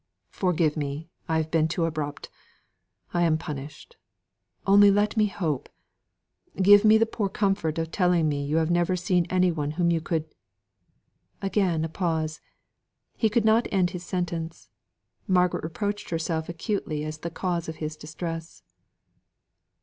"Forgive me! I have been too abrupt. I am punished. Only let me hope. Give me the poor comfort of telling me you have never seen any one whom you could " Again a pause. He could not end his sentence. Margaret reproached herself acutely as the cause of his distress.